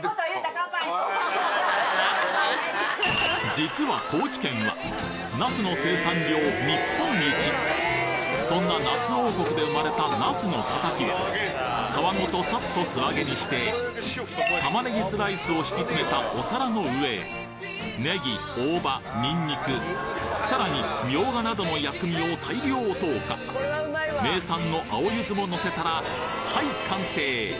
実はそんななす王国で生まれたなすのたたきは皮ごとさっと素揚げにして玉ねぎスライスを敷き詰めたお皿の上へネギ大葉にんにくさらにみょうがなどの薬味を大量投下名産の青ゆずものせたらはい完成！